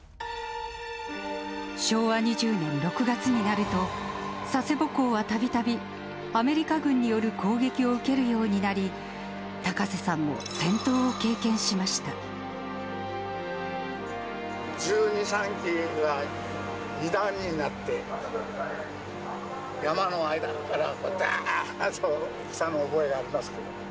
昭和２０年６月になると、佐世保港はたびたび、アメリカ軍による攻撃を受けるようになり、１２、３機が２段になって、山の間から、だーっと来たのを覚えがありますけど。